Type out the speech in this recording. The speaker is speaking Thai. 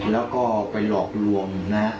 แล้วก็ไปหลอกลวงนะฮะ